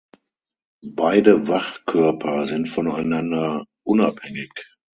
Beide Wachkörper sind voneinander unabhängig.